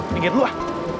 pingin dulu ah